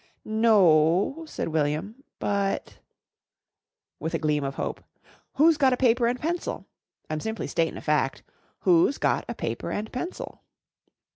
"N oo," said William. "But " with a gleam of hope "who's got a paper and pencil? I'm simply statin' a fact. Who's got a paper and pencil?"